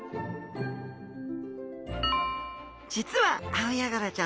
実はアオヤガラちゃん